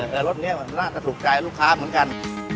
แต่รสนี้มันน่าจะถูกใจลูกค้าเหมือนกัน